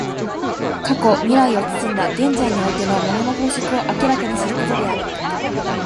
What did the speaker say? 過去未来を包んだ現在においての物の法則を明らかにすることである。